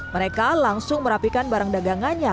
mereka langsung merapikan barang dagangannya